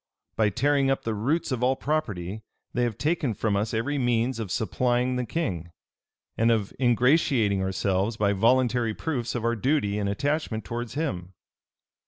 By tearing up the roots of all property, they have taken from us every means of supplying the king, and of ingratiating ourselves by voluntary proofs of our duty and attachment towards him.